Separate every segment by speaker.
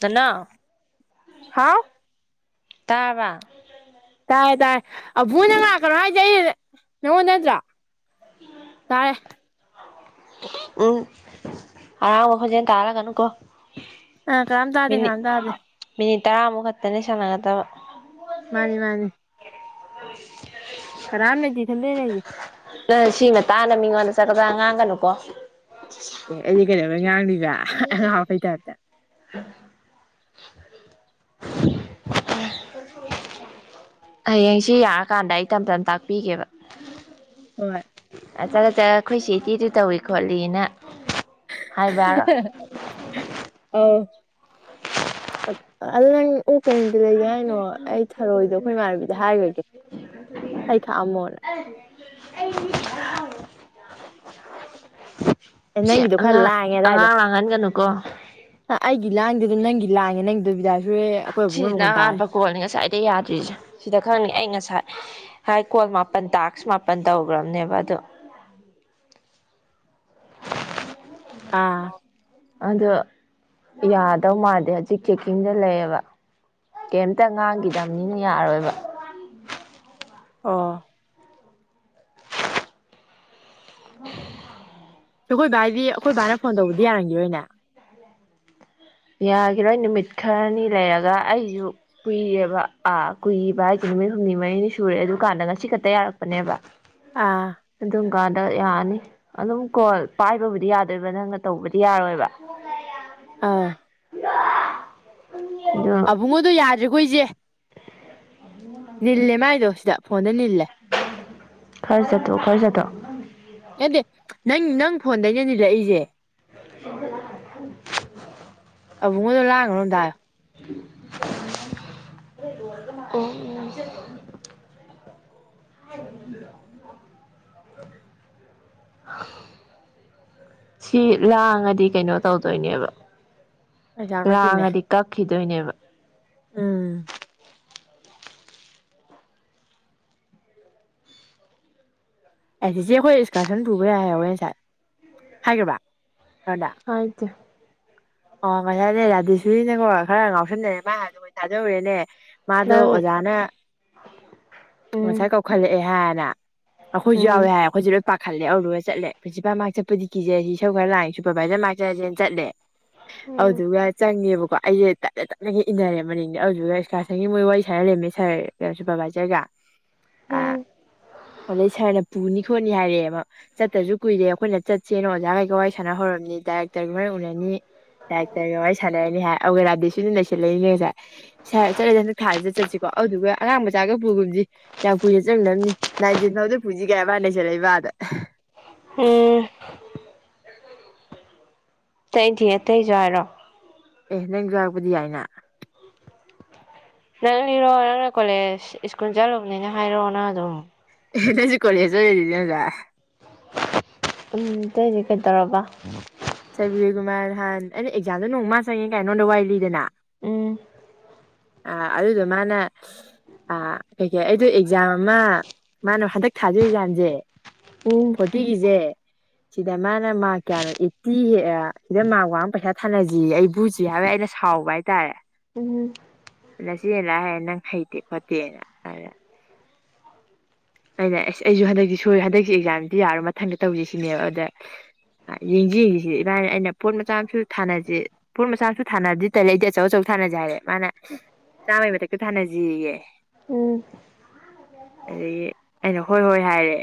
Speaker 1: ꯅꯅꯥꯎ
Speaker 2: ꯍꯥꯎ
Speaker 1: ꯇꯥꯔꯕ
Speaker 2: ꯇꯥꯏ ꯇꯥꯏ ꯑꯕꯨꯡꯉꯣꯅꯪ ꯂꯥꯛꯀꯅꯣ ꯍꯥꯏꯖꯦ ꯑꯩꯅ ꯅꯉꯣꯟꯗ ꯅꯠꯇ꯭ꯔꯣ ꯇꯥꯔꯦ
Speaker 1: ꯎꯝ ꯑꯔꯥꯡꯕ ꯈꯣꯟꯖꯦꯜ ꯇꯥꯍꯜꯂꯛꯀꯅꯨꯀꯣ
Speaker 2: ꯑ ꯀꯅꯥꯝ ꯇꯥꯗꯦ ꯀꯅꯥꯝ ꯇꯥꯗꯦ
Speaker 1: ꯇꯥꯔꯃꯨꯛ ꯈꯛꯇꯅꯦ ꯁꯥꯟꯅꯒꯗꯕ
Speaker 2: ꯃꯥꯅꯤ ꯃꯥꯅꯤ
Speaker 1: ꯍꯣꯢꯁ [inaudible]
Speaker 2: ꯀꯅꯥꯝꯂꯩꯇꯤ ꯢꯊꯟꯗꯅꯦ ꯂꯩꯔꯤꯁꯦ
Speaker 1: ꯅꯪꯅ ꯁꯤꯃꯇꯥꯡꯗ ꯃꯤꯉꯣꯟꯗ ꯆꯒꯠ ꯆꯒꯠ ꯉꯥꯡꯒꯅꯨꯀꯣ
Speaker 2: ꯑꯦ ꯑꯩꯗꯤ ꯀꯩꯗꯧꯕꯩ ꯉꯥꯡꯗꯣꯢꯕ ꯍꯥꯍꯥ ꯑꯉꯥꯎ ꯑꯐꯩ ꯇꯥꯢꯞꯇꯥ
Speaker 1: ꯍꯌꯦꯡꯁꯤ ꯌꯥꯔꯀꯥꯟꯗ ꯑꯩ ꯇꯝ ꯇꯞꯅ ꯇꯥꯛꯄꯤꯒꯦꯕ [inaudible]
Speaker 2: ꯍꯣꯢ
Speaker 1: ꯑ ꯆꯠꯂ ꯆꯠꯂ ꯑꯩꯈꯣꯏ ꯆꯦꯗꯤ ꯑꯗꯨ ꯇꯧꯋꯦ ꯈꯣꯠꯂꯤꯅ ꯍꯥꯏꯕ
Speaker 2: ꯍꯝ ꯍꯥ
Speaker 1: ꯌꯥꯔꯣꯏ
Speaker 2: ꯍꯥ ꯑꯥꯎ ꯑ ꯑꯗꯨ ꯅꯪ ꯑꯣꯛ ꯀꯩꯅꯨꯃꯤꯠꯇꯥ ꯂꯩꯒꯦ ꯍꯥꯏꯅꯣ ꯑꯩ ꯊꯔꯣꯏꯗꯣ ꯑꯩꯈꯣꯏ ꯏꯃꯥꯟꯅꯕꯤꯗ ꯍꯥꯏꯈ꯭ꯔꯥꯒꯦ ꯑꯩ ꯈꯥꯛꯑꯝꯃꯣꯅꯦ
Speaker 1: ꯑꯩꯗꯤ ꯍꯥꯔꯥꯎꯋꯦ
Speaker 2: ꯑꯦ
Speaker 1: [inaudible] ꯁꯤ
Speaker 2: ꯅꯪꯒꯤꯗꯣ ꯈꯔ
Speaker 1: ꯑꯉꯥꯡ
Speaker 2: ꯂꯥꯡꯉꯦ ꯑꯗꯥꯏꯗꯣ
Speaker 1: ꯑꯉꯥꯡ ꯂꯥꯡꯍꯟꯒꯅꯨꯀꯣ
Speaker 2: ꯒꯤ ꯂꯥꯡꯗꯦꯗꯣ ꯅꯪꯒꯤ ꯂꯥꯡꯉꯦ ꯅꯪꯗꯣ ꯕꯤꯗꯥ
Speaker 1: ꯁꯤꯁꯤꯅ ꯑꯍꯥꯟꯕ ꯀꯣꯜꯅꯤ ꯉꯁꯥꯏꯗꯩ ꯌꯥꯗ꯭ꯔꯤꯁꯦ ꯁꯤꯗ ꯈꯪꯅꯤ ꯑꯩ ꯉꯥꯁꯥꯏ ꯍꯥꯏ ꯀꯣꯜ ꯃꯥꯄꯟ ꯇꯥꯛꯁ ꯃꯥꯄꯟ ꯇꯧꯈ꯭ꯔꯕꯅꯦꯕ ꯑꯗꯣ
Speaker 2: ꯑꯥ
Speaker 1: ꯑꯗꯣ ꯌꯥꯗꯧ ꯃꯥꯟꯗꯦ ꯍꯧꯖꯤꯛ ꯆꯦꯛꯀꯤꯡꯗ ꯂꯩꯌꯦꯕ ꯀꯦꯝꯇ ꯉꯥꯡꯈꯤꯗꯕꯅꯤꯅ ꯌꯥꯔꯣꯏꯕ
Speaker 2: ꯑꯣ
Speaker 1: ꯍꯝ [inaudible]
Speaker 2: ꯑꯩꯈꯣꯏ ꯕꯥꯏꯗꯤ ꯑꯩꯈꯣꯏ ꯕꯅꯥ ꯐꯣꯟ ꯇꯧꯕꯗꯤ ꯌꯥꯔꯝꯒꯤꯔꯣꯢꯅꯦ
Speaker 1: ꯌꯥꯈꯤꯔꯣꯏ ꯅꯨꯃꯤꯠ ꯈꯔꯅꯤ ꯂꯩꯔꯒ ꯑꯩꯁꯨ ꯀꯨꯏꯌꯦꯕ ꯑꯥ ꯀꯨꯏꯕ ꯍꯥꯏꯁꯦ ꯅꯨꯃꯤꯠ ꯍꯨꯝꯅꯤ ꯃꯔꯤꯅꯤ ꯁꯨꯔꯦ ꯑꯗꯨ ꯀꯥꯟꯗꯒ ꯉꯥꯁꯤ ꯈꯛꯇ ꯌꯥꯔꯛꯄꯅꯦꯕ
Speaker 2: ꯑꯥ
Speaker 1: ꯑꯗꯨꯝ ꯀꯥꯟꯗ ꯌꯥꯅꯤ ꯑꯗꯨꯝ ꯀꯣꯜ ꯄꯥꯏꯕꯕꯨꯗꯤ ꯌꯥꯗꯣꯏꯕ ꯅꯪꯅ ꯇꯧꯕꯗꯤ ꯌꯥꯔꯣꯏꯕ
Speaker 2: ꯑꯥ ꯑꯕꯨꯡꯉꯣꯗꯨ
Speaker 1: ꯑꯗꯨ
Speaker 2: ꯌꯥꯠ ꯍꯧꯖꯤꯛ ꯑꯩꯈꯣꯏꯁꯦ [unintelligible] ꯅꯤꯜꯂꯦ ꯃꯥꯥꯏꯗꯣ ꯁꯤꯗ ꯐꯣꯟꯗ ꯅꯤꯜꯂꯦ
Speaker 1: ꯈꯔ ꯆꯠꯇꯣꯛꯑꯣ ꯈꯔ ꯆꯠꯇꯣꯛꯑꯣ
Speaker 2: ꯅꯠꯇꯦ ꯅꯪ ꯅꯪ ꯐꯣꯟꯗꯩꯅꯦ ꯅꯤꯜꯂꯛꯏꯁꯦ
Speaker 1: [unintelligible] [inaudible]
Speaker 2: ꯑꯕꯨꯨꯡꯉꯣꯗꯣ ꯂꯥꯡꯒꯅꯣ ꯑꯝꯇꯥ ꯍꯥꯢꯌꯣ
Speaker 1: ꯥ [unintelligible] ꯁꯤ ꯂꯥꯡꯉꯗꯤ ꯀꯩꯅꯣ ꯇꯧꯗꯣꯏꯅꯦꯕ
Speaker 2: ꯄꯩꯁꯥ ꯀꯛꯇꯣꯏꯅꯦ
Speaker 1: ꯂꯥꯡꯉꯗꯤ ꯀꯛꯈꯤꯗꯣꯏꯅꯦꯕ
Speaker 2: ꯎꯝ ꯑꯩ ꯆꯤꯆꯦ ꯑꯩꯈꯣꯏ ꯑꯦꯛꯁꯀꯔꯁꯟ ꯄꯨꯕ ꯌꯥꯏ ꯍꯥꯏꯍꯧꯋꯦ ꯉꯁꯥꯏ ꯍꯥꯏꯒ꯭ꯔꯕ
Speaker 1: ꯍꯥꯏꯗꯦ
Speaker 2: ꯑꯣ ꯉꯥꯁꯥꯏꯗꯩ ꯔꯥꯙꯦꯁꯨꯔꯤꯅꯀꯣ ꯈꯔ ꯉꯥꯎꯁꯟꯅꯔꯦ ꯃꯥ ꯍꯥꯏꯗꯨ ꯊꯥꯖꯔꯨꯔꯦꯅꯦ ꯃꯥꯗꯣ
Speaker 1: ꯅꯪ
Speaker 2: ꯑꯣꯖꯥꯅ
Speaker 1: ꯎꯝ
Speaker 2: ꯉꯁꯥꯏ ꯀꯧꯈꯠꯂꯛꯑꯦ ꯍꯥꯏ [unintelligible] ꯑꯩꯈꯣꯏꯖꯨ
Speaker 1: ꯎꯝ
Speaker 2: ꯌꯥꯎꯋꯦ ꯍꯥꯏ ꯑꯩꯈꯣꯏꯖꯨ ꯄꯥꯈꯠꯂꯦ ꯑꯧꯗꯨꯒ ꯆꯠꯂꯦ ꯄ꯭ꯔꯤꯟꯁꯤꯄꯜ ꯃꯅꯥꯛ ꯆꯠꯄꯗꯤ ꯀꯤꯖꯩ ꯏꯁꯧ ꯈꯔ ꯂꯥꯡꯉꯦ ꯁꯨꯄꯔꯚꯥꯏꯖꯔ ꯃꯅꯥꯛ ꯆꯠꯂꯖꯦꯅ ꯆꯠꯂꯦ
Speaker 1: ꯎꯝ
Speaker 2: ꯑꯧꯗꯨꯒ ꯆꯪꯉꯦꯕꯀꯣ ꯑꯩꯖꯦ ꯇꯞꯅ ꯇꯞꯅꯒ ꯏꯟꯅꯔꯦ ꯃꯅꯤꯡꯗ ꯑꯗꯨꯗꯨꯒ ꯑꯦꯛꯁꯀꯔꯁꯟꯒꯤ ꯃꯣꯏ ꯋꯥꯔꯤ ꯁꯥꯅ ꯂꯩꯔꯝꯃꯦ ꯃꯣꯢ ꯁꯔ ꯁꯨꯄꯔꯚꯥꯏꯖꯔꯒ ꯑ
Speaker 1: ꯎꯝ
Speaker 2: ꯑꯣꯂꯤ ꯁꯔꯅ ꯄꯨꯅꯤ ꯊꯣꯑꯅꯤ ꯍꯥꯏꯔꯛꯑꯦꯕ ꯆꯠꯇꯕꯖꯨ ꯀꯨꯏꯔꯦ ꯑꯩꯈꯣꯏꯅ ꯆꯠꯁꯦꯅ ꯑꯣꯖꯥꯒꯩꯒ ꯋꯥꯔꯤ ꯁꯥꯟꯅ ꯍꯧꯔꯝꯅꯤ ꯗꯥꯏꯔꯦꯛꯇꯔ ꯃꯥꯅ ꯎꯔꯅꯤ ꯅꯦꯛꯎꯔꯅꯤ ꯗꯥꯏꯔꯦꯛꯇꯔꯒ ꯋꯥꯔꯤ ꯁꯥꯟꯅꯔꯅꯤ ꯍꯥꯏ ꯑꯗꯨꯒꯦ ꯔꯥꯙꯦ ꯁꯣꯔꯤꯅ ꯅꯩꯁꯜꯂꯛꯏꯅꯦ ꯉꯁꯥꯏ ꯁꯔ ꯆꯠꯂꯗꯤ ꯍꯟꯗꯛ ꯊꯥꯖꯤꯗ ꯆꯠꯁꯤꯀꯣ ꯑꯗꯨꯗꯨꯒ ꯑꯉꯥꯡ ꯃꯆꯥꯒ ꯄꯨꯒꯨꯝꯖꯤ ꯌꯥꯝ ꯀꯨꯏꯅ ꯆꯪꯅꯕꯅꯤ ꯅꯥꯏꯟꯇꯦꯟ ꯐꯥꯎꯗ ꯄꯨꯖꯤ ꯍꯥꯏꯅ ꯅꯩꯁꯜꯂꯛꯏꯕ ꯑꯥꯗ
Speaker 1: ꯎꯝ ꯇꯩꯗꯤ ꯑꯇꯩꯁꯨ ꯍꯥꯏꯔꯣ
Speaker 2: ꯑꯦ ꯅꯪꯖꯨ ꯌꯥꯎꯔꯛꯄꯗꯤ ꯌꯥꯏꯅ
Speaker 1: ꯅꯪ ꯂꯤꯔꯣ ꯅꯪꯅ ꯀꯣꯂꯦꯖ ꯁ꯭ꯀꯨꯜ ꯆꯠꯂꯨꯕꯅꯦꯅ ꯍꯥꯏꯔꯣ ꯅꯪ ꯑꯗꯨꯝ
Speaker 2: ꯑꯦ ꯅꯪꯁꯨ ꯀꯦꯂꯦꯖ ꯆꯠꯂꯨꯏꯗꯨꯗꯤ ꯉꯁꯥꯏ
Speaker 1: ꯎꯝ ꯑꯇꯩꯗꯤ ꯀꯩꯇꯧꯔꯕ
Speaker 2: ꯁꯕꯤꯔꯀꯨꯃꯥꯔ ꯅꯍꯥꯟ ꯑꯩꯅ ꯑꯦꯛꯖꯥꯝꯗ ꯅꯣꯡꯃ ꯃꯥ ꯆꯪꯉꯦ ꯀꯥꯏꯅ ꯅꯉꯣꯟꯗ ꯋꯥꯔꯤ ꯂꯤꯗꯅ
Speaker 1: ꯎꯝ
Speaker 2: ꯑꯥ ꯑꯗꯨꯗꯣ ꯃꯥꯅ ꯀꯩꯀꯩ ꯑꯩꯗꯣ ꯑꯦꯛꯖꯥꯝ ꯑꯃ ꯃꯥꯅ ꯍꯟꯗꯛ ꯊꯥꯗꯣꯏ ꯑꯦꯛꯖꯥꯝꯁꯦ
Speaker 1: ꯎꯝ
Speaker 2: ꯐꯣꯔꯇꯤꯒꯤꯁꯦ ꯁꯤꯗ ꯃꯥꯅ ꯃꯥꯔꯛ ꯀꯌꯥꯅꯣ ꯁꯤ ꯑꯥ ꯁꯤꯗ ꯃꯥꯛ ꯋꯥꯡꯉ ꯄꯩꯁꯥ ꯊꯥꯅꯖꯤꯑꯦ ꯑꯩ ꯚꯨ ꯆꯨꯢ ꯍꯥꯏꯕꯩ ꯑꯩꯅ ꯁꯥꯎꯔꯨꯕ ꯍꯥꯏꯇꯥꯔꯦ
Speaker 1: ꯎꯝ
Speaker 2: ꯅꯆꯦꯅ ꯂꯥꯢꯔꯤꯛ ꯍꯩꯔꯥ ꯅꯪ ꯍꯩꯇꯦ ꯈꯣꯠꯇꯦꯅ ꯑꯩꯅ ꯑꯁ ꯑꯩꯖꯨ ꯍꯟꯗꯛꯇꯤ ꯁꯣꯏ ꯍꯟꯗꯛꯀꯤ ꯑꯦꯛꯖꯥꯝꯖꯤꯗꯤ ꯌꯥꯔꯣꯏ ꯃꯊꯪꯗ ꯇꯧꯖꯦ ꯁꯤꯅꯦꯕ ꯑꯗ ꯌꯦꯡꯖꯤ ꯌꯦꯡꯖꯤ ꯁꯤ ꯃꯥ ꯍꯥꯏꯅꯦ ꯑꯩꯅ ꯄꯣꯠ ꯃꯆꯥ ꯃꯥꯁꯨ ꯊꯥꯅꯖꯤ ꯄꯣꯠ ꯃꯆꯥ ꯃꯁꯨ ꯊꯥꯟꯅꯕꯗꯤ ꯇꯜꯂꯦ ꯑꯩꯗꯤ ꯑꯆꯧ ꯑꯆꯧ ꯊꯥꯅꯖꯤ ꯍꯥꯏꯔꯦ ꯗꯩ ꯃꯥꯅ ꯆꯥꯝꯃꯩ ꯃꯊꯛꯇ ꯊꯥꯅꯖꯦꯌꯦ
Speaker 1: ꯎꯝ
Speaker 2: ꯑꯗꯒꯤ ꯑꯩꯅ ꯍꯣꯏ ꯍꯣꯏ ꯍꯥꯏꯔꯦ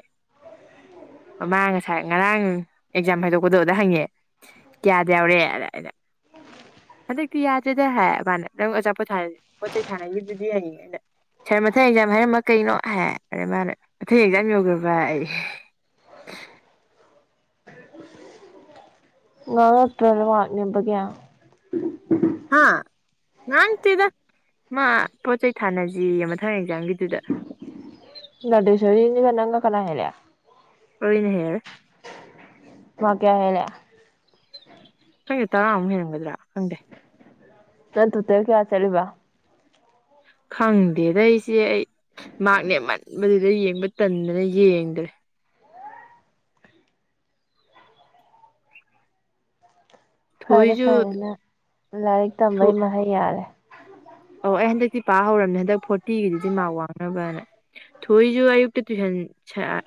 Speaker 2: ꯃꯥ ꯉꯁꯥꯏ ꯉꯔꯥꯡ ꯑꯦꯛꯖꯥꯝ ꯍꯥꯏꯗꯣꯛꯄꯗꯣ ꯗꯨꯗ ꯍꯪꯉꯦ ꯀꯌꯥꯗ ꯌꯥꯎꯔꯦ ꯑꯗ ꯑꯩꯅ ꯍꯟꯗꯛꯇꯤ ꯌꯥꯗ꯭ꯔꯦꯗ ꯍꯥꯏ ꯃꯥꯅ ꯅꯪ ꯑꯆꯥꯄꯣꯠꯊꯥ ꯄꯣꯠ ꯆꯩ ꯊꯥꯅꯈꯤꯕꯗꯨꯗꯤ ꯍꯪꯉꯦ ꯑꯩꯅ ꯁꯥꯔ ꯃꯊꯪ ꯑꯦꯛꯖꯥꯝ ꯍꯥꯏꯔꯝꯃ ꯀꯩꯅꯣ ꯍꯥꯏ ꯑꯗ ꯃꯥꯅ ꯑꯇꯩ ꯑꯦꯖꯥꯝ ꯌꯧꯒ꯭ꯔꯦ ꯚꯥꯏ ꯑꯩ
Speaker 1: ꯉꯥꯡꯉꯛꯇ꯭ꯔ ꯃꯥꯛ ꯅꯦꯝꯕꯒꯤ
Speaker 2: ꯍꯥ ꯉꯥꯡꯇꯦꯗ ꯃꯥ ꯄꯣꯠ ꯆꯩꯩ ꯊꯥꯅꯁꯦꯌꯦ ꯃꯊꯪ ꯑꯦꯛꯖꯥꯝꯒꯤꯗꯨꯗ
Speaker 1: ꯅꯗꯦꯁꯣꯔꯤꯒ ꯅꯪꯒ ꯀꯥꯅ ꯍꯦꯜꯂꯤ
Speaker 2: ꯑꯩꯅ ꯍꯦꯜꯂꯤ
Speaker 1: ꯃꯥꯛ ꯀꯌꯥ ꯍꯦꯜꯂꯦ
Speaker 2: ꯈꯪꯗꯦ ꯇꯔꯥꯃꯨꯛ ꯍꯦꯜꯂꯝꯒꯗ꯭ꯔ ꯈꯪꯗꯦ
Speaker 1: ꯅꯪ ꯇꯣꯇꯦꯜ ꯀꯌꯥ ꯆꯠꯂꯤꯕ
Speaker 2: ꯈꯪꯗꯦꯗ ꯏꯆꯦ ꯑꯩ ꯃꯥꯛꯅꯦꯝꯃꯟꯕꯗꯨꯗ ꯌꯦꯡꯕ ꯇꯟꯗꯅ ꯌꯦꯡꯗ꯭ꯔꯦ
Speaker 1: ꯐꯔꯦ
Speaker 2: ꯊꯣꯏꯁꯨ
Speaker 1: ꯐꯔꯦꯅ ꯂꯥꯏꯔꯤꯛ ꯇꯝꯕꯩ ꯃꯍꯩ ꯌꯥꯜꯂꯦ
Speaker 2: ꯑꯣ ꯑꯩ ꯍꯟꯗꯛꯇꯤ ꯄꯥ ꯍꯧꯔꯝꯅꯦ ꯍꯟꯗꯛ ꯐꯣꯔꯇꯤꯒꯤꯖꯦ ꯃꯥꯔꯛ ꯋꯥꯡꯅꯕꯅ ꯊꯣꯏꯖꯨ ꯑꯌꯨꯛꯇ ꯇꯨꯏꯁꯟ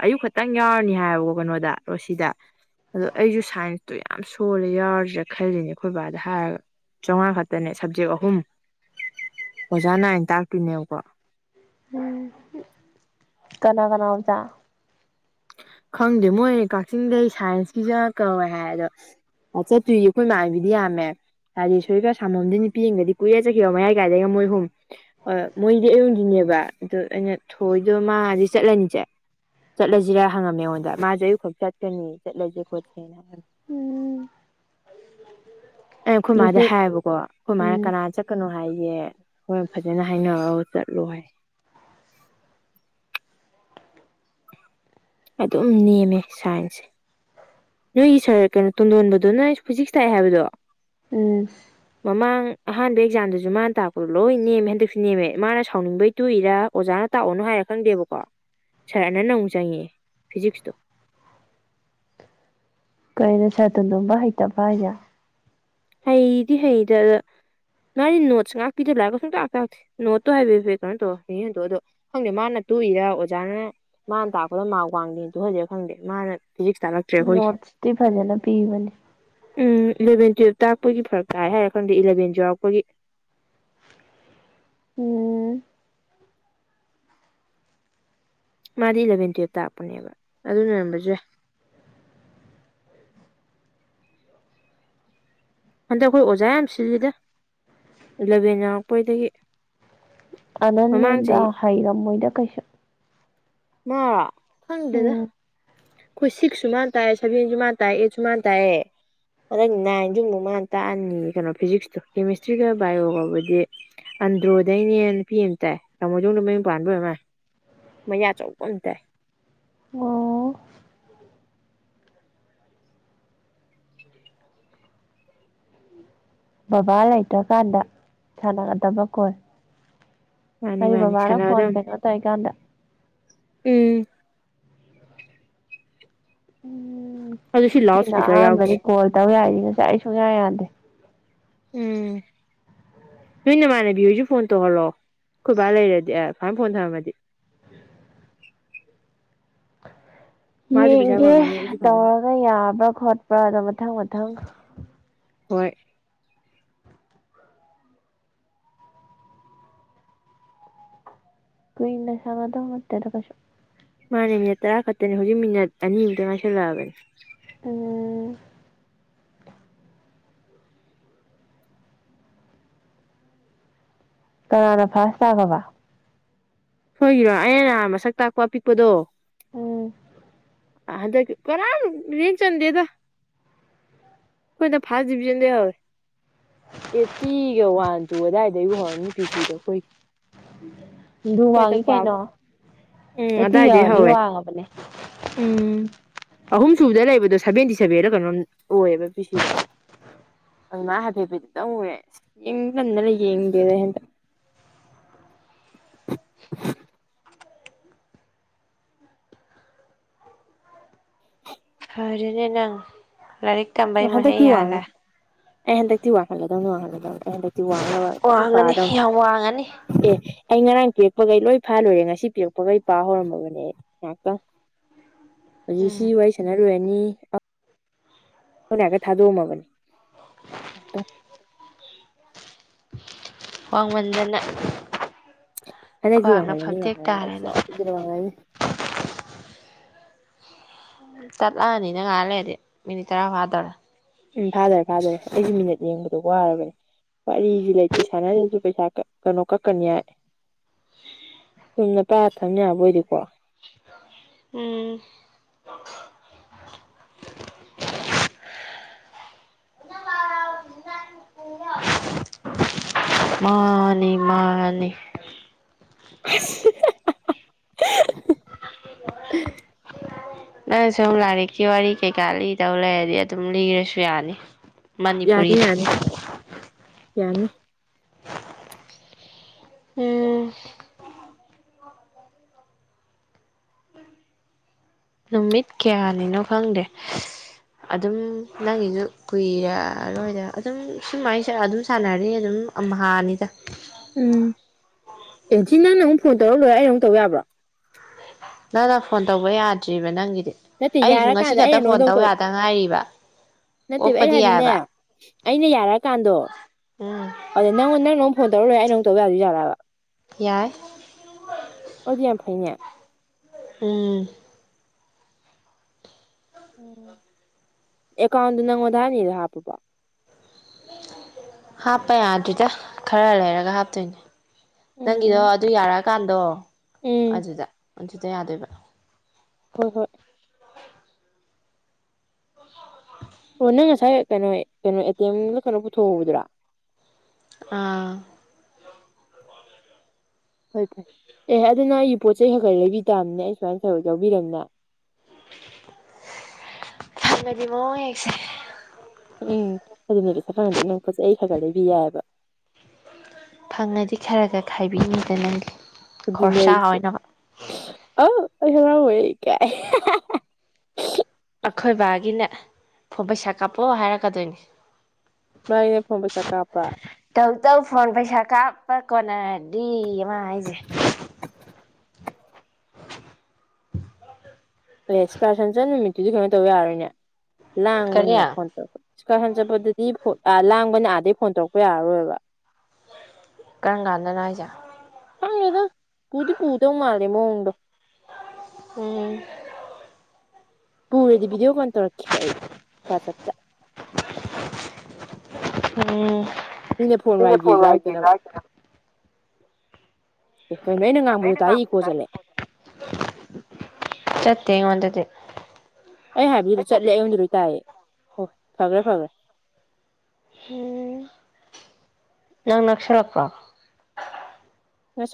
Speaker 2: ꯑꯌꯨꯛ ꯈꯛꯇꯪ ꯌꯥꯎꯔꯅꯤ ꯍꯥꯏꯕꯀꯣ ꯀꯩꯅꯣꯗ ꯔꯣꯁꯤꯗ ꯑꯗꯣ ꯑꯩꯁꯨ ꯁꯥꯏꯟꯁꯇꯣ ꯌꯥꯝ ꯁꯣꯜꯂꯦ ꯌꯥꯎꯔꯁꯤꯔꯥ ꯈꯜꯂꯤꯅꯦ ꯑꯩꯈꯣꯏ ꯕꯥꯗ ꯍꯥꯏꯔꯒ ꯆꯝꯉꯥ ꯈꯛꯇꯅꯦ ꯁꯕꯖꯦꯛ ꯑꯍꯨꯝ ꯑꯣꯖꯥ ꯅꯥꯏꯅ ꯇꯥꯛꯇꯨꯏꯅꯦꯕꯀꯣ
Speaker 1: ꯀꯅꯥ ꯀꯅꯥ ꯑꯣꯖꯥ
Speaker 2: ꯈꯪꯗꯦ ꯃꯣꯏ ꯀꯛꯆꯤꯡꯗꯩ ꯁꯥꯏꯟꯁꯀꯤꯖꯨ ꯑꯃ ꯀꯧꯋꯦ ꯍꯥꯏ ꯑꯗꯣ ꯆꯠꯇꯣꯏꯗꯤ ꯑꯩꯈꯣꯏ ꯏꯃꯥꯟꯅꯕꯤꯗꯤ ꯌꯥꯝꯃꯦ ꯔꯥꯖꯦꯁꯣꯔꯤꯒ ꯁꯥꯃꯣꯝꯗꯩ ꯅꯨꯄꯤ ꯑꯝꯒꯗꯤ ꯀꯨꯏꯔꯦ ꯆꯠꯈꯤꯕ ꯃꯌꯥꯏ ꯀꯥꯏꯗꯒꯤ ꯃꯣꯏ ꯑꯍꯨꯝ ꯑꯥ ꯃꯣꯏꯗꯤ ꯑꯌꯨꯛ ꯅꯨꯡꯗꯤꯟꯅꯦꯕ ꯑꯗꯨ ꯑꯩꯅ ꯊꯣꯏꯗꯣ ꯃꯥꯗꯤ ꯆꯠꯂꯅꯤꯖꯦ ꯆꯠꯂꯖꯤ ꯂꯖꯤꯔꯥ ꯍꯪꯉꯝꯃꯦ ꯑꯩꯉꯣꯟꯗ ꯃꯥꯖꯨ ꯑꯌꯨꯛꯈꯛ ꯆꯠꯀꯅꯤ ꯆꯠꯂꯁꯦ ꯈꯣꯠꯁꯦꯅ ꯍꯥꯏꯔꯝ
Speaker 1: ꯎꯝ
Speaker 2: ꯑꯦ ꯑꯩꯈꯣꯏ ꯃꯥꯗ
Speaker 1: ꯍꯧꯖꯤꯛ
Speaker 2: ꯍꯥꯏꯌꯦꯕꯀꯣ ꯑꯩꯈꯣꯏ ꯃꯥꯅ
Speaker 1: ꯎꯝ
Speaker 2: ꯀꯅꯥ ꯆꯠꯀꯅꯣ ꯍꯥꯏꯒꯦ ꯍꯣ ꯐꯖꯟꯅ ꯍꯥꯏꯅ ꯆꯠꯂꯣ ꯍꯥꯏ ꯑꯗꯨꯝ ꯅꯦꯝꯃꯦ ꯁꯥꯏꯟꯁꯁꯦ ꯅꯣꯏꯒꯤ ꯁꯥꯔ ꯀꯩꯅꯣ ꯇꯣꯟꯗꯣꯟꯕꯗꯨꯣ ꯅꯣꯏ ꯐꯤꯖꯤꯛꯁ ꯇꯥꯛꯑꯦ ꯍꯥꯏꯕꯗꯣ
Speaker 1: ꯎꯝ
Speaker 2: ꯃꯃꯥꯡ ꯑꯍꯥꯟꯕ ꯑꯦꯛꯖꯥꯝꯗꯨꯁꯨ ꯃꯥꯅ ꯇꯥꯛꯄꯗꯣ ꯂꯣꯏ ꯅꯦꯝꯃꯦ ꯍꯟꯗꯛꯁꯨ ꯅꯦꯝꯃꯦ ꯃꯥꯅ ꯁꯥꯎꯅꯤꯡꯕꯩ ꯇꯣꯛꯏꯔꯥ ꯑꯣꯖꯅ ꯇꯣꯛꯎꯔꯅꯣ ꯍꯥꯏꯔ ꯈꯪꯗꯦꯕꯀꯣ ꯁꯥꯔ ꯑꯅꯟꯅ ꯑꯃꯨꯛ ꯆꯪꯉꯛꯉꯦ ꯐꯤꯖꯤꯛꯁꯇꯣ
Speaker 1: ꯀꯩꯅꯣ ꯁꯔ ꯇꯣꯟꯗꯣꯝꯕ ꯍꯩꯇꯕ꯭ꯔꯣ ꯍꯥꯏꯖꯦ
Speaker 2: ꯍꯩꯗꯤ ꯍꯩꯗ ꯑꯗ ꯃꯥꯗꯤ ꯅꯣꯠꯁ ꯉꯥꯛꯄꯤꯗ ꯂꯥꯢꯔꯤꯛꯀ ꯁꯨꯡꯇꯥꯛ ꯇꯥꯛꯇꯦ ꯅꯣꯠꯇꯣ ꯍꯥꯏꯐꯦꯐꯦꯠ ꯀꯩꯅꯣ ꯇꯧꯔ ꯍꯗꯣ ꯑꯗꯣ ꯈꯪꯗꯦ ꯃꯥꯅ ꯇꯣꯛꯏꯔꯥ ꯑꯣꯖꯅ ꯃꯥꯅ ꯇꯥꯛꯄꯗꯣ ꯃꯥꯛ ꯋꯥꯡꯗꯦꯅ ꯇꯣꯛꯍꯜꯂꯤꯔꯥ ꯈꯪꯗꯦ ꯃꯥꯅ ꯐꯤꯖꯤꯛꯁ ꯇꯥꯛꯂꯛꯇ꯭ꯔꯦ ꯑꯩꯈꯣꯏꯒꯤ
Speaker 1: ꯅꯣꯠꯁꯇꯤ ꯐꯖꯟꯅ ꯄꯤꯕꯅꯤ
Speaker 2: ꯎꯝ ꯏꯂꯕꯦꯟ ꯇꯨꯌꯦꯞ ꯇꯥꯛꯄꯒꯤ ꯐꯔꯛ ꯇꯥꯏ ꯍꯥꯏꯔ ꯈꯪꯗꯦ ꯏꯂꯚꯦꯟꯁꯨ ꯌꯥꯎꯔꯛꯄꯒꯤ
Speaker 1: ꯎꯝ
Speaker 2: ꯃꯥꯗꯤ ꯏꯂꯚꯦꯟ ꯇꯨꯋꯦꯞ ꯇꯥꯛꯄꯅꯦꯕ ꯑꯗꯨꯅ ꯑꯦꯝꯣꯢꯔꯝꯕꯖꯨ ꯌꯥꯢ ꯍꯟꯗꯛ ꯑꯩꯈꯣꯏ ꯑꯣꯖꯥ ꯌꯥꯝ ꯁꯤꯜꯂꯤꯗ ꯏꯂꯚꯦꯟ ꯌꯥꯎꯔꯛꯄꯩꯗꯒꯤ ꯃꯃꯥꯡ
Speaker 1: ꯑꯅꯅꯟꯗ
Speaker 2: ꯆꯍꯤ
Speaker 1: ꯍꯩꯔꯝꯃꯣꯏꯗ ꯀꯩꯁꯨ
Speaker 2: ꯃꯥ ꯈꯪꯗꯦꯗ
Speaker 1: ꯎꯝ
Speaker 2: ꯑꯩꯈꯣꯏ ꯁꯤꯛꯁꯁꯨ ꯃꯥꯅ ꯇꯥꯛꯑꯦ ꯁꯚꯦꯟꯖꯨ ꯃꯥꯅ ꯇꯥꯛꯑꯦ ꯑꯩꯠꯁꯨ ꯃꯥꯅ ꯇꯥꯛꯑꯦ ꯑꯗꯩ ꯅꯥꯏꯟꯖꯨ ꯑꯃꯨꯛ ꯃꯥꯅ ꯇꯥꯛꯑꯅꯤ ꯀꯩꯅꯣ ꯐꯤꯖꯤꯛꯁꯇꯣ ꯀꯦꯃꯤꯁꯇ꯭ꯔꯤꯒ ꯕꯥꯏꯌꯣꯒꯕꯨꯗꯤ ꯑꯟꯗ꯭ꯔꯣꯗꯩꯅꯦ ꯅꯨꯄꯤ ꯑꯝ ꯇꯥꯛꯑꯦ ꯂꯥꯡꯃꯣꯗꯣꯡꯗ ꯃꯌꯨꯝ ꯄꯥꯟꯕ ꯑꯣꯏꯔꯃꯥꯥꯜꯂꯦ ꯃꯌꯥ ꯆꯧꯕ ꯑꯝ ꯇꯥꯛꯑꯦ
Speaker 1: ꯑꯣ ꯕꯕꯥ ꯂꯩꯇ꯭ꯔ ꯀꯥꯟꯗ ꯁꯥꯟꯅꯒꯗꯕ ꯀꯣꯜ
Speaker 2: ꯃꯥꯅꯤ
Speaker 1: ꯀꯔꯤ
Speaker 2: ꯃꯥꯅꯤ
Speaker 1: ꯕꯕꯥꯅ ꯐꯣꯟ
Speaker 2: ꯁꯥꯟꯅꯒꯗꯕꯅꯤ
Speaker 1: ꯀꯩꯅꯣ ꯇꯧꯔꯤꯀꯥꯟꯗ
Speaker 2: ꯎꯝ
Speaker 1: ꯎꯝ ꯎꯝ
Speaker 2: ꯑꯗꯨ ꯁꯤ ꯂꯥꯎꯠ
Speaker 1: ꯁꯤꯅ
Speaker 2: ꯏꯁꯄꯤꯀꯔ ꯌꯥꯎꯗꯦ
Speaker 1: ꯑꯍꯥꯟꯕꯅꯤ ꯀꯣꯜ ꯇꯧ ꯌꯥꯏꯖꯦ ꯉꯁꯥꯢ ꯁꯨꯡꯌꯥ ꯌꯥꯗꯦ
Speaker 2: ꯎꯝ ꯅꯣꯏ ꯅꯃꯥꯟꯅꯕꯤ ꯍꯣꯏꯖꯨ ꯐꯣꯟ ꯇꯧꯍꯜꯂꯣ ꯈꯣꯢꯕ ꯂꯩꯔꯗꯤ ꯑ [unintelligible] ꯐꯣꯟ ꯊꯅꯝꯃꯗꯤ
Speaker 1: ꯌꯦꯡꯒꯦ
Speaker 2: ꯐꯪꯉꯅꯤ ꯑꯩꯁꯨ ꯐꯪꯉꯅꯤ
Speaker 1: ꯇꯧꯔꯒ ꯌꯥꯕ꯭ꯔ ꯈꯣꯠ ꯄ꯭ꯔꯗ ꯃꯊꯪ ꯃꯊꯪ
Speaker 2: ꯍꯣꯏ
Speaker 1: ꯀꯨꯏꯅ ꯁꯥꯅꯗꯧ ꯅꯠꯇꯦꯗ ꯀꯩꯁꯨ
Speaker 2: ꯃꯥꯅꯦ ꯃꯤꯅꯠ ꯇꯔꯥ ꯈꯛꯇꯅꯦ ꯍꯧꯖꯤꯛ ꯃꯤꯅꯠ ꯑꯅꯤꯃꯨꯛꯇ ꯉꯥꯏꯁꯜꯂꯛꯑꯕꯅꯦ
Speaker 1: ꯎꯝ ꯀꯅꯥꯅ ꯐꯥꯥꯁ ꯇꯥꯒ꯭ꯔꯕ
Speaker 2: ꯁꯣꯏꯔꯤꯔꯣ ꯑꯧꯅ ꯅꯍꯥꯟ ꯃꯁꯛ ꯇꯥꯛꯄ ꯑꯄꯤꯛꯄꯗꯣ
Speaker 1: ꯎꯝ
Speaker 2: ꯍꯟꯗꯛꯀꯤ ꯀꯅꯥꯝ ꯔꯦꯡ ꯆꯟꯗꯦꯗ ꯑꯩꯈꯣꯏꯅ ꯐꯥꯔꯁ ꯗꯤꯕꯤꯖꯟꯗ ꯌꯥꯎꯋꯦ ꯑꯦꯠꯇꯤꯒ ꯋꯥꯟ ꯇꯨ ꯑꯗꯨꯋꯥꯏꯗꯩꯕꯨ ꯍꯧꯔꯝꯅꯤ ꯄꯤ ꯁꯤꯗꯣ ꯑꯩꯈꯣꯏꯒꯤ
Speaker 1: ꯗꯨ
Speaker 2: ꯑꯩꯈꯣꯏ
Speaker 1: ꯋꯥꯡꯉꯤ
Speaker 2: ꯍꯟꯗꯛ ꯄꯥꯕ
Speaker 1: ꯀꯩꯅꯣ
Speaker 2: ꯎꯝ
Speaker 1: ꯑꯦꯠꯇꯤ
Speaker 2: ꯑꯗꯥꯏꯗꯩ
Speaker 1: ꯌꯧꯔꯗꯤ
Speaker 2: ꯍꯧꯋꯦ
Speaker 1: ꯋꯥꯡꯉꯕꯅꯦ
Speaker 2: ꯎꯝ ꯑꯍꯨꯝ ꯁꯨꯕꯗ ꯂꯩꯕꯗꯣ ꯁꯚꯦꯟꯇꯤ ꯁꯚꯦꯟꯂꯥ ꯀꯩꯅꯣꯝ ꯑꯣꯏꯌꯦꯕ ꯄꯤ ꯁꯤꯗꯣ ꯑꯗꯨꯃꯥꯢ ꯍꯥꯏꯐꯦꯠ ꯐꯦꯠꯇꯪ ꯎꯔꯦ ꯌꯦꯡ ꯇꯟꯗꯅ ꯌꯦꯡꯗꯦꯗ ꯍꯟꯇꯛ [inaudible]
Speaker 1: ꯐꯔꯦꯅꯦ ꯅꯪ ꯂꯥꯢꯔꯤꯛ ꯇꯝꯕꯩ ꯃꯍꯩ
Speaker 2: ꯍꯟꯗꯛꯇꯤ
Speaker 1: ꯌꯥꯜꯂꯦ
Speaker 2: ꯋꯥꯡꯉ ꯑꯩ ꯍꯟꯗꯛꯇꯤ ꯋꯥꯡꯈꯠꯂꯗꯧꯅꯦ ꯋꯥꯍꯜꯂꯗꯧꯅꯦ ꯑꯩ ꯍꯟꯗꯛ ꯋꯥꯡꯅꯕ ꯀꯟ
Speaker 1: ꯋꯥꯡꯉꯅꯤ
Speaker 2: ꯄꯥꯔꯗꯧꯅꯦ
Speaker 1: ꯌꯥꯝ ꯋꯥꯡꯉꯅꯤ
Speaker 2: ꯑꯦ ꯑꯩ ꯉꯔꯥꯡ ꯄꯤꯔꯛꯄꯈꯩ ꯂꯣꯏ ꯐꯥ ꯂꯣꯏꯔꯦ ꯉꯁꯤ ꯄꯤꯔꯛꯄꯒꯩ ꯄꯥ ꯍꯧꯔꯝꯃꯕꯅꯦ ꯑꯩ ꯉꯥꯛꯇꯪ ꯍꯧꯖꯤꯛ ꯁꯤ
Speaker 1: ꯎꯝ
Speaker 2: ꯋꯥꯔꯤ ꯁꯥꯟꯅ ꯂꯣꯏꯔꯅꯤ ꯑꯥ ꯒꯨꯠ ꯅꯥꯏꯠ ꯀꯥ ꯊꯥꯗꯣꯛꯂꯝꯂꯕꯅꯤ ꯉꯥꯛꯇꯪ
Speaker 1: ꯋꯥꯡꯃꯟꯗꯅ ꯈ꯭ꯋꯥꯡꯅ ꯐꯝꯇꯦꯛ ꯇꯥꯔꯦꯅ
Speaker 2: [unintelligible]
Speaker 1: ꯇꯠꯂꯛꯑꯅꯤꯅ ꯉꯥꯏꯍꯥꯛ ꯂꯩꯔꯗꯤ ꯃꯤꯅꯤꯠ ꯇꯔꯥ ꯐꯗꯣꯔꯦꯉ
Speaker 2: ꯎꯝ ꯐꯥꯗꯣꯔꯦ ꯐꯥꯗꯣꯔꯦ ꯑꯩꯁꯨ ꯃꯤꯅꯠ ꯌꯦꯡꯕꯗ ꯋꯥꯔꯕꯅꯦ ꯋꯥꯔꯤꯁꯤ ꯂꯩꯇꯦ ꯁꯥꯟꯅꯔꯤꯁꯨ ꯄꯩꯁꯥ ꯀꯛ ꯀꯩꯅꯣ ꯀꯛꯀꯅꯤ ꯍꯥꯏ ꯁꯨꯝꯅ ꯄꯥꯏꯔ ꯊꯝ ꯌꯥꯕꯣ ꯑꯣꯏꯗꯤꯀꯣ
Speaker 1: ꯎꯝ ꯃꯥꯅꯦ ꯃꯥꯅꯦ
Speaker 2: [unintelligible] ꯍꯥ ꯍꯥ ꯍꯥ
Speaker 1: ꯅꯪꯅ ꯁꯨꯝ ꯂꯥꯏꯔꯤꯛꯀꯤ ꯋꯥꯔꯤ ꯀꯩꯀꯥ ꯂꯤꯗꯧ ꯂꯩꯔꯗꯤ ꯑꯗꯨꯝ ꯂꯤꯔꯁꯨ ꯌꯥꯅꯤ
Speaker 2: ꯌꯥꯅꯤ
Speaker 1: ꯃꯅꯤꯄꯨꯔꯤꯗ
Speaker 2: ꯌꯥꯅꯤ ꯌꯥꯅꯤ
Speaker 1: ꯎꯝ ꯅꯨꯃꯤꯠ ꯀꯌꯥꯅꯤꯅꯣ ꯈꯪꯗꯦ ꯑꯗꯨꯝ ꯅꯪꯒꯤꯁꯨ ꯀꯨꯏꯔꯔꯣꯏꯗ ꯑꯗꯨꯝ ꯁꯨꯃꯥꯏꯅ ꯁꯥꯟꯅ ꯑꯗꯨꯝ ꯁꯥꯟꯅꯔꯗꯤ ꯑꯗꯨꯝ ꯑꯝꯍꯥꯅꯤꯗ
Speaker 2: ꯑꯦꯖꯤ ꯅꯪꯅ ꯑꯃꯨꯛ ꯐꯣꯟ ꯇꯧꯔꯛ ꯂꯣꯏꯔꯒ ꯑꯩꯅ ꯑꯃꯨꯛ ꯇꯧ ꯌꯥꯕ꯭ꯔꯣ
Speaker 1: ꯅꯪꯅ ꯐꯣꯟ ꯇꯧꯕ ꯌꯥꯗ꯭ꯔꯤꯕ ꯅꯪꯒꯤ
Speaker 2: ꯅꯠꯇꯦ ꯌꯥꯔꯀꯥꯟꯗ ꯑꯩ ꯅꯪꯉꯣꯟꯗꯧꯇꯧꯔꯛ
Speaker 1: ꯉꯥꯏꯔꯤꯕ
Speaker 2: ꯅꯠꯇꯦꯕ ꯑꯩ
Speaker 1: ꯑꯣꯛꯄꯗꯤ
Speaker 2: ꯍꯥꯏꯗꯤꯅꯦ
Speaker 1: ꯌꯥꯏꯕ
Speaker 2: ꯑꯩꯅ ꯌꯥꯔꯀꯥꯟꯗꯣ
Speaker 1: ꯎꯝ
Speaker 2: ꯑꯗꯨꯗ ꯅꯪꯉꯣꯟꯗ ꯅꯪꯅ ꯐꯣꯟ ꯇꯧꯔ ꯂꯣꯏ ꯑꯩꯅ ꯃꯨꯛ ꯇꯧ ꯌꯥꯗꯣꯏꯖꯥꯂꯕ
Speaker 1: ꯌꯥꯏ
Speaker 2: ꯑꯣꯗꯤ ꯌꯥꯝ ꯐꯩꯩꯅꯦ
Speaker 1: ꯎꯝ
Speaker 2: ꯎ ꯑꯦꯀꯥꯎꯟꯗ ꯅꯪꯉꯣꯟꯗ ꯍꯥꯞꯅꯤꯗꯣ ꯍꯥꯞꯄꯕꯣ
Speaker 1: ꯍꯥꯞꯄ ꯌꯥꯗ꯭ꯔꯤꯗ ꯈꯔ ꯂꯩꯔꯒ ꯍꯥꯞꯇꯣꯏꯅꯦ ꯅꯪꯒꯤꯗꯣ
Speaker 2: ꯎꯝ
Speaker 1: ꯑꯗꯨ ꯌꯥꯔꯛꯑꯀꯥꯟꯗꯣ
Speaker 2: ꯎꯝ
Speaker 1: ꯑꯗꯨꯗ ꯑꯗꯨꯗ ꯌꯥꯗꯣꯏꯕ
Speaker 2: ꯍꯣꯏ ꯍꯣꯏ ꯑꯣ ꯅꯪ ꯉꯁꯥꯏ ꯀꯩꯅꯣ ꯀꯩꯅꯣ ꯑꯦ ꯇꯤ ꯑꯦꯝ ꯂꯥ ꯀꯩꯅꯣ ꯄꯨꯊꯣꯛꯍꯧꯕꯗꯨꯔꯥ
Speaker 1: ꯑꯥ
Speaker 2: ꯐꯩ ꯐꯩ ꯑꯦ ꯑꯗꯨ ꯅꯣꯏꯒꯤ ꯄꯣꯠ ꯆꯩ ꯈꯒ ꯂꯩꯕꯤ ꯇꯥꯝꯅꯤꯅꯦ ꯑꯩ ꯁꯨꯃꯥꯏꯅ ꯇꯧꯔ ꯌꯥꯎꯕꯤꯔꯝꯅꯤꯅ
Speaker 1: [inaudible] [unintelligible]
Speaker 2: ꯎꯝ ꯑꯗꯨꯅꯦ ꯃꯊꯪꯗꯤ ꯅꯪ ꯄꯣꯠꯆꯩ ꯈꯒꯥ ꯂꯩꯕꯤ ꯌꯥꯏꯕ
Speaker 1: ꯐꯪꯉꯗꯤ ꯈꯔ ꯈ ꯈꯥꯏꯕꯤꯅꯤꯗ ꯅꯪꯒꯤ
Speaker 2: ꯑꯗꯨꯅꯦ
Speaker 1: ꯈꯣꯔꯁꯥ
Speaker 2: ꯍꯥꯏꯁꯦ
Speaker 1: ꯑꯣꯏꯅꯕ
Speaker 2: ꯁ꯭ꯨꯔ ꯑ ꯑꯩꯖꯨ ꯉꯔꯥꯡ ꯂꯣꯏ ꯏꯀꯥꯏ ꯍꯥ ꯍꯥꯥ ꯍꯥ
Speaker 1: ꯑꯩꯈꯣꯏ ꯕꯥꯒꯤꯅ ꯍꯣ ꯄꯩꯁꯥ ꯀꯥꯞꯄꯛꯑꯣ ꯍꯥꯏꯔꯛꯀꯗꯣꯏꯅꯦ
Speaker 2: ꯃꯥꯏꯅꯦ ꯐꯣꯟ ꯄꯩꯁꯥ ꯀꯥꯞꯄ
Speaker 1: ꯇꯧ ꯇꯧ ꯐꯣꯟ ꯄꯩꯁꯥ ꯀꯥꯞꯄ ꯀꯣꯟꯅꯔꯗꯤꯌꯦ ꯃꯥ ꯍꯥꯏꯁꯦ
Speaker 2: [inaudible] ꯑꯦ ꯏꯁꯀꯔꯁꯟꯁꯟ ꯅꯨꯃꯤꯠꯇꯨꯗꯤ ꯀꯩꯅꯣ ꯇꯧ ꯌꯥꯔꯔꯣꯏꯅꯦ
Speaker 1: ꯀꯔꯤ
Speaker 2: ꯂꯥꯡꯕꯅꯤꯅ ꯐꯣꯟ ꯊꯧ ꯁꯀꯥꯔꯁꯟ ꯆꯠꯄꯗꯗꯤ ꯐꯣꯟ ꯑ ꯂꯥꯡꯕꯅ ꯑꯥꯗꯩ ꯐꯣꯟ ꯇꯧꯔꯛꯄ ꯌꯥꯔꯔꯣꯏꯕ
Speaker 1: ꯀꯔꯝ ꯀꯥꯟꯗꯅꯣ ꯍꯥꯏꯁꯦ
Speaker 2: ꯈꯪꯗꯦꯗ ꯄꯨꯗꯤ ꯄꯨꯗꯧ ꯃꯥꯂꯦ ꯃꯉꯣꯡꯗꯣ
Speaker 1: ꯎꯝ
Speaker 2: ꯄꯨꯔꯗꯤ ꯚꯤꯗꯤꯑꯣ ꯀꯣꯟ ꯇꯧꯔꯛꯈꯦ ꯑꯩ ꯋꯥꯆꯦꯞꯇ
Speaker 1: ꯎꯝ
Speaker 2: ꯃꯤꯅ
Speaker 1: ꯅꯪꯅ ꯐꯣꯟ
Speaker 2: ꯋꯥꯏꯒꯦꯁꯨ
Speaker 1: ꯄꯥꯏꯗꯤ
Speaker 2: ꯍꯥꯏꯔꯛꯇꯅꯕ
Speaker 1: ꯄꯥꯏꯔꯛ ꯇꯅ
Speaker 2: ꯑꯦ ꯑꯩꯅ ꯉꯥꯝꯕꯁꯨ ꯇꯥꯏ ꯏꯀꯣ ꯆꯠꯂꯦ
Speaker 1: ꯆꯠꯇꯦ ꯑꯩꯉꯣꯟꯗꯗꯤ
Speaker 2: ꯑꯩ ꯍꯥꯏꯕꯤꯗꯨ ꯆꯠꯂꯦ ꯑꯩꯉꯣꯟꯗ ꯂꯣꯏ ꯇꯥꯏꯌꯦ ꯑꯣ ꯐꯒ꯭ꯔꯦ ꯐꯒ꯭ꯔꯦ
Speaker 1: ꯎꯝ ꯅꯪ ꯅꯛꯁꯔꯛꯄ꯭ꯔꯣ
Speaker 2: ꯉꯁꯥꯏ